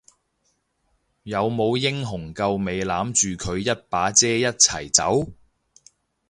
有冇英雄救美攬住佢一把遮一齊走？